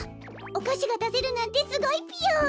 おかしがだせるなんてすごいぴよ。